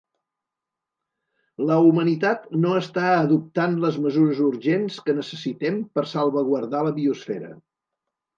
La humanitat no està adoptant les mesures urgents que necessitem per salvaguardar la biosfera.